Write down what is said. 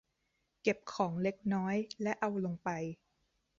เก็บของเล็กน้อยและเอาลงไป